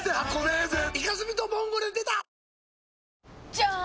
じゃーん！